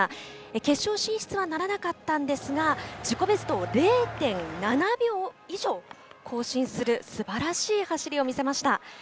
決勝進出はならなかったんですが自己ベストを０．７秒以上更新するすばらしい走りを見せました。